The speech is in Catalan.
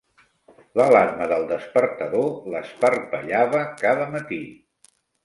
L'alarma del despertador l'esparpellava cada matí.